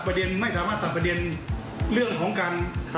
ไม่สามารถตัดประเด็นเรื่องของการ